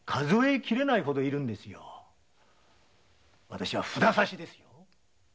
私は「札差し」ですよ。